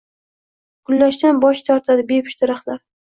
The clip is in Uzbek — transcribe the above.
Gullashdan bosh tortdi bepusht daraxtlar